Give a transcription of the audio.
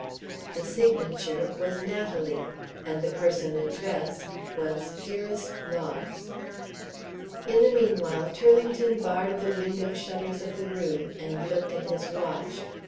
The signature was "Natalie," and the person addressed was "Dearest Launce." In the meanwhile, Turlington barred the window shutters of the room, and looked at his watch.